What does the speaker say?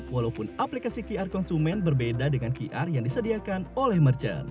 walaupun aplikasi qr konsumen berbeda dengan qr yang disediakan oleh merchant